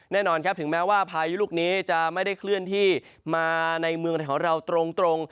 แน่นอนครับถึงแม้ว่าพายุลูกนี้จะไม่ได้เคลื่อนที่มาในเมืองไทยของเราตรง